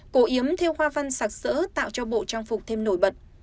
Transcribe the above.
cổ yếm theo hoa văn sạc sỡ tạo cho bộ trang phục thêm nổi bật